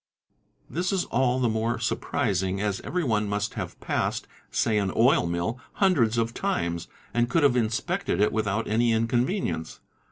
This is all the more surprising as ~ every one must have passed, say an oil mill, hundreds of times and could | have inspected it without any inconvenience.